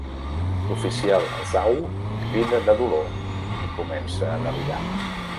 L'oficial Zau crida de dolor i comença a delirar.